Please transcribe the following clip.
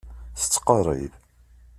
Tettqerrib.